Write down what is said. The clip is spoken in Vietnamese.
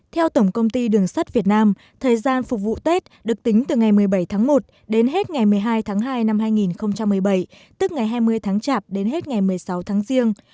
theo tổng công ty đường sắt việt nam thời gian phục vụ tết được tính từ ngày một mươi bảy tháng một đến hết ngày một mươi hai tháng hai năm hai nghìn một mươi bảy tức ngày hai mươi tháng chạp đến hết ngày một mươi sáu tháng riêng